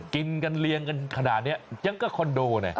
กินกันเรียงกันขนาดนี้ยังก็คอนโดเนี่ย